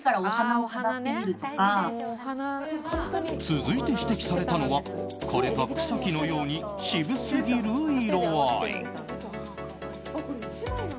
続いて、指摘されたのは枯れた草木のように渋すぎる色合い。